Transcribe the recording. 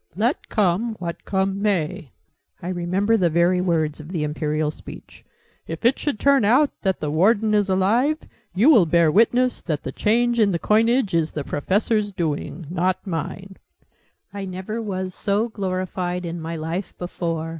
'Let come what come may,' (I remember the very words of the Imperial Speech) 'if it should turn out that the Warden is alive, you will bear witness that the change in the coinage is the Professor's doing, not mine!' I never was so glorified in my life, before!"